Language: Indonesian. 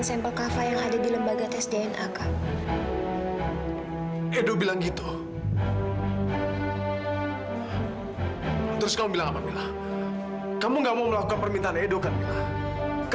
sampai jumpa di video selanjutnya